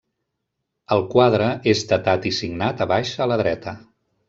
El quadre és datat i signat a baix a la dreta.